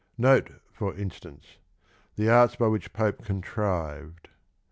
502) 1 Note, for instance, "The arts by which Pope oontrived